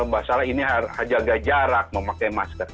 bahwa ini harus jaga jarak mau pakai masker